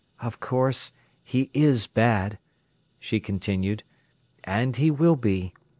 "Of course, he is bad," she continued, "and he will be.